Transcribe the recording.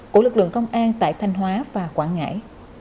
của lực lượng công an tại thanh hóa và quảng ngãi